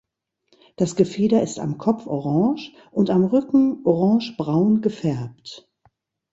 Das Gefieder ist am Kopf orange und am Rücken orangebraun gefärbt.